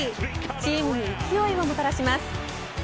チームに勢いをもたらします。